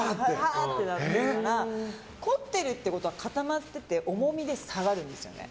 凝ってるってことは固まってて重みで下がるんですよね。